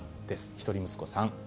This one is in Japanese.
１人息子さん。